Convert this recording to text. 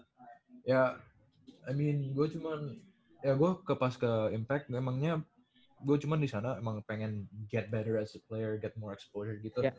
ya i mean gua cuman ya gua pas ke impact emangnya gua cuman disana emang pengen get better as a player get more exposure gitu